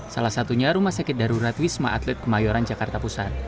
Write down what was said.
salah satunya rumah sakit darurat wisma atlet kemayoran jakarta pusat